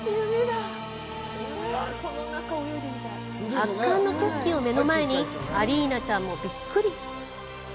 圧巻の景色を目の前にアリーナちゃんもびっくり！